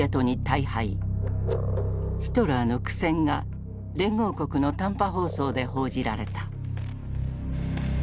ヒトラーの苦戦が連合国の短波放送で報じられた。